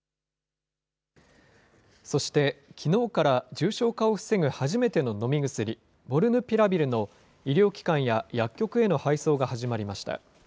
そして、きのうから、重症化を防ぐ初めての飲み薬、モルヌピラビルの医療機関や薬局への配送が始まりました。